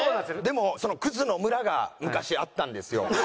でもクズの村が昔あったんですよ。